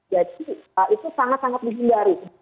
jadi itu sangat sangat dihindari